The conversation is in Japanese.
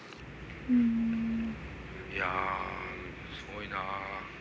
いやすごいな。